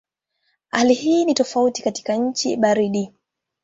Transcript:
Hali hii ni tofauti katika nchi baridi.